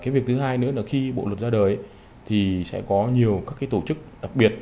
việc thứ hai nữa là khi bộ luật ra đời thì sẽ có nhiều các tổ chức đặc biệt